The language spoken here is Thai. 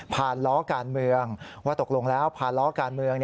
ล้อการเมืองว่าตกลงแล้วผ่านล้อการเมือง